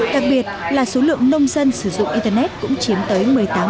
đặc biệt là số lượng nông dân sử dụng internet cũng chiếm tới một mươi tám